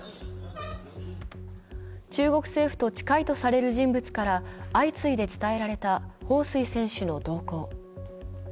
中国政府と近いとされる人物から、相次いで伝えられた彭帥選手の動向。